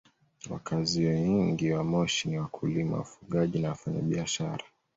Wakazi wengi wa Moshi ni wakulima, wafugaji na wafanyabiashara.